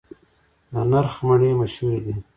د نرخ مڼې مشهورې دي